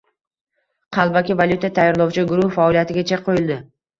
Qalbaki valyuta tayyorlovchi guruh faoliyatiga chek qo‘yildi